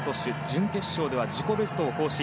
準決勝では自己ベストを更新。